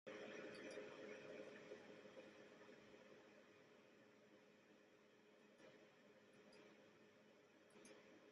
El centro estaba ocupado por la caballería mandada por el duque Fitz-James.